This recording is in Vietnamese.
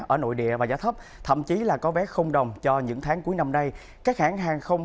ở nội địa và giá thấp thậm chí là có vé đồng cho những tháng cuối năm nay các hãng hàng không